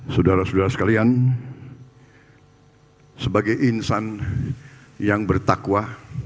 saudara saudara sekalian sebagai insan yang bertakwa